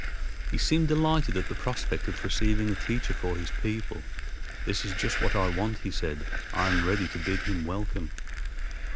He seemed delighted at the prospect of receiving a teacher for his people. "This is just what I want," he said. "I am ready to bid him welcome."